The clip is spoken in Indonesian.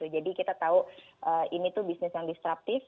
jadi kita tahu ini tuh bisnis yang disruptif